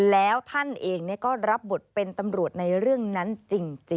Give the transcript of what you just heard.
แล้วท่านเองก็รับบทเป็นตำรวจในเรื่องนั้นจริง